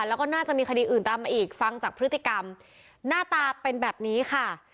แล้วก็น่าจะมีคดีอื่นตามมาอีกฟังจากพฤติกรรมหน้าตาเป็นแบบนี้ค่ะ